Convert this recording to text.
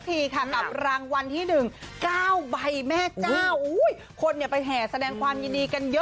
ทีค่ะกับรางวัลที่๑๙ใบแม่เจ้าคนเนี่ยไปแห่แสดงความยินดีกันเยอะ